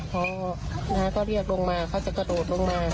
พอน้าก็เรียกลงมาเขาจะกระโดดลงมา